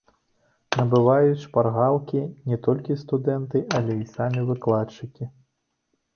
Набываюць шпаргалкі не толькі студэнты, але і самі выкладчыкі.